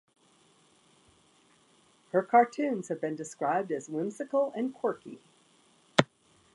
Her cartoons have been described as whimsical and quirky.